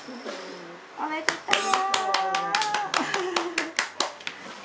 おめでとう！